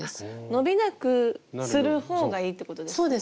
伸びなくするほうがいいってことですね。